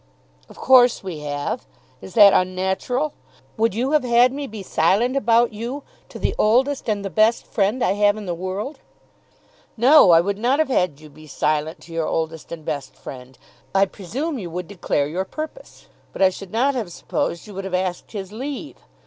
"Of course we have. Is that unnatural? Would you have had me be silent about you to the oldest and the best friend I have in the world?" "No, I would not have had you be silent to your oldest and best friend. I presume you would declare your purpose. But I should not have supposed you would have asked his leave.